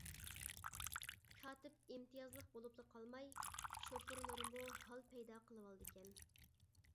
كاتىپ ئىمتىيازلىق بولۇپلا قالماي، شوپۇرلىرىمۇ ھال پەيدا قىلىۋالىدىكەن.